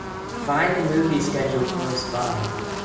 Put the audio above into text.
Find the movie schedule close by